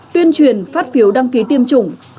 tuyên truyền phát phiếu đăng ký tiêm chủng